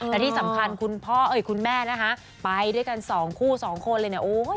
และที่สำคัญคุณพ่อเอ่ยคุณแม่นะคะไปด้วยกันสองคู่สองคนเลยเนี่ย